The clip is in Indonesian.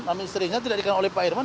namun istrinya tidak dikenal oleh pak irman